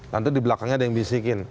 nanti di belakangnya ada yang bisikin